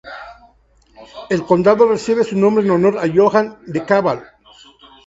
El condado recibe su nombre en honor a Johann DeKalb.